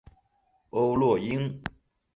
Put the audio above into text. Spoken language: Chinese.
欧络因。